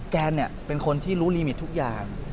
แกนเนี่ยเป็นคนที่รู้รีมิตทุกอย่าง